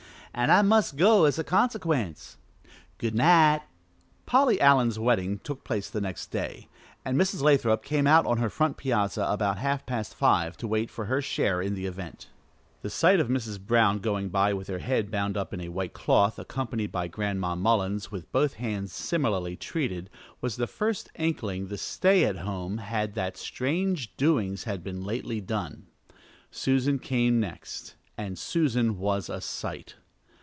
An' I must go as a consequence. Good night." Polly Allen's wedding took place the next day, and Mrs. Lathrop came out on her front piazza about half past five to wait for her share in the event. The sight of Mrs. Brown going by with her head bound up in a white cloth, accompanied by Gran'ma Mullins with both hands similarly treated, was the first inkling the stay at home had that strange doings had been lately done. Susan came next and Susan was a sight!